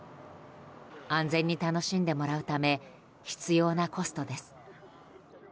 安全に楽しんでもらうため必要なコストです。